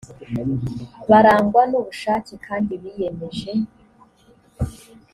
barangwa n ubushake kandi biyemeje